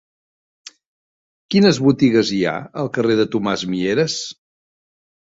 Quines botigues hi ha al carrer de Tomàs Mieres?